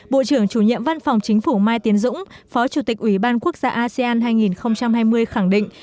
bộ trưởng chủ nhiệm văn phòng chính phủ mai tiến dũng phó chủ tịch ủy ban quốc gia asean hai nghìn hai mươi khẳng định